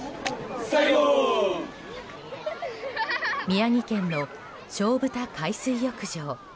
宮城県の菖蒲田海水浴場。